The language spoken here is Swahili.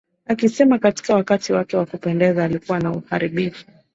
akisema Katika wakati wake wa kupendeza alikuwa na uharibifu